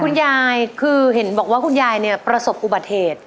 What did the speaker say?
คุณยายคือเห็นบอกว่าคุณยายเนี่ยประสบอุบัติเหตุ